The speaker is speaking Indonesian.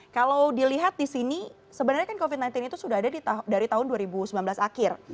kalau dilihat di sini sebenarnya kan covid sembilan belas itu sudah ada dari tahun dua ribu sembilan belas akhir